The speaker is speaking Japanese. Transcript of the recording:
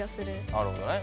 なるほどね。